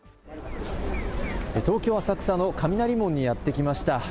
東京浅草の雷門にやって来ました。